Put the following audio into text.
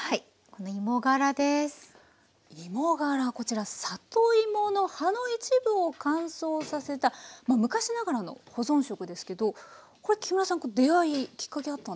このこちら里芋の葉の一部を乾燥させた昔ながらの保存食ですけどこれ木村さん出会いきっかけあったんですか？